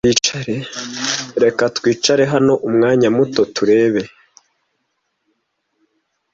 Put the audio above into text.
Reka twicare hano umwanya muto turebe